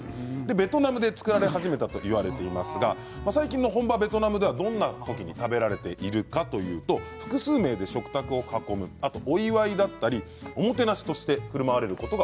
ベトナムで作られ始めたといわれていますが最近の本場ベトナムではどんな時に食べられているかというと複数名で食卓を囲むあとお祝いだったりおもてなしとしてふるまわれることが。